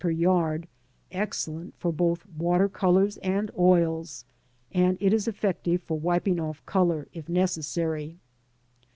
per yard, excellent for both water colours and oils, and it is effective for wiping off colour, if necessary.